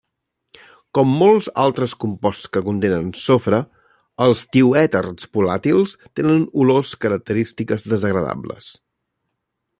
Com molts altres composts que contenen sofre, els tioèters volàtils tenen olors característiques desagradables.